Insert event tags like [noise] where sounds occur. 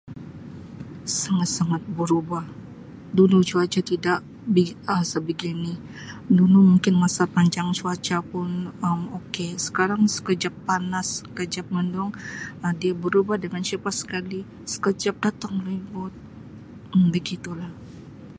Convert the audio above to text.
Sangat-sangat berubah. Dulu cuaca tidak bi- rasa begini. Dulu mungkin masa [unintelligible] cuaca pun Um ok. Sekarang sekejap panas, sekejap mendung Um dia berubah dengan cepat sekali. Sekejap datang ribut. Um Begitu lah.